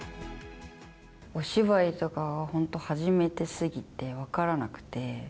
お芝居とかはほんと初めてすぎて分からなくて。